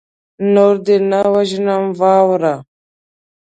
نور دې نه وژنمه واوره